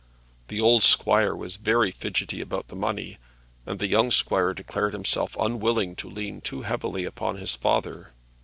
The old squire was very fidgety about the money, and the young squire declared himself unwilling to lean too heavily upon his father.